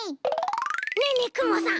ねえねえくもさん